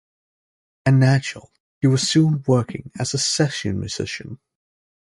A natural, he was soon working as a session musician.